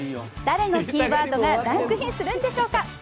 誰のキーワードがランクインするんでしょうか。